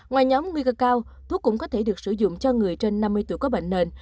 ngoài nhóm nguy cơ cao thuốc cũng có thể được sử dụng cho người trên năm mươi tuổi có bệnh nền